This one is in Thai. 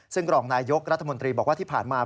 ซึ่งรองนายยกรัฐมนตรีบอกว่าที่ผ่านมา